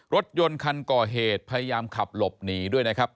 รถยนต์คันก่อเหตุพยายามขับหลบหนีด้วยนะครับ